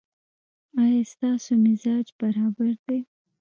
ایا ستاسو مزاج برابر دی؟